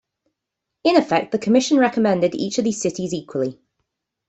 In effect, the commission recommended each of these cities equally.